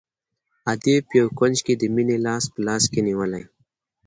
ادې په يوه کونج کښې د مينې لاس په لاس کښې نيولى.